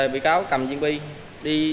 vị cáo cầm viên bi